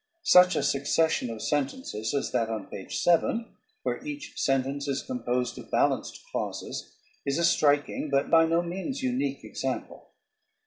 Such a succession of sentences as that on page 7, where each sentence is composed of balanced clauses, is a striking but by no means unique example.